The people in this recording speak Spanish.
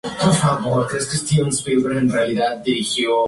Puede ser empleado en la industria y las artes.